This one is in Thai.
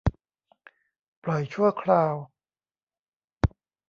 ปล่อยชั่วคราว